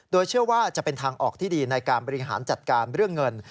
โดยเชื่อว่าจะเป็นทางออกที่ดีในการบริหารจัดการเรื่องเงิน